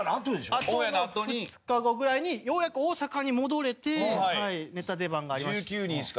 あとの２日後ぐらいにようやく大阪に戻れてネタ出番がありました。